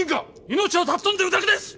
命を尊んでるだけです！